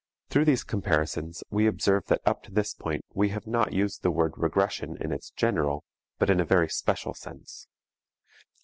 Through these comparisons we observe that up to this point we have not used the word regression in its general, but in a very special sense.